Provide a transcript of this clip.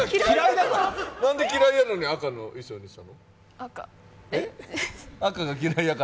なんで嫌いやのになんで赤の衣装にしたの？